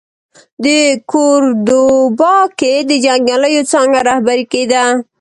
د کوردوبا کې د جنګیاليو څانګه رهبري کېده.